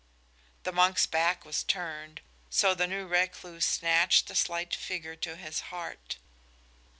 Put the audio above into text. The monk's back was turned, so the new recluse snatched the slight figure to his heart.